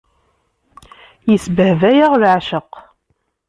Isbehba-yaɣ leɛceq.